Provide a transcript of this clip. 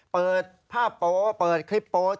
เปิดผ้าโป๊ะเปิดคลิปโป๊ะ